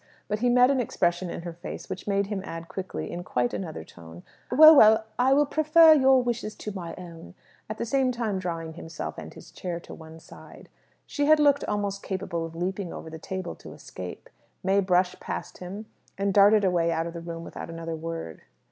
But he met an expression in her face which made him add quickly, in quite another tone, "Well, well, I will prefer your wishes to my own," at the same time drawing himself and his chair to one side. She had looked almost capable of leaping over the table to escape. May brushed past him, and darted away out of the room without another word.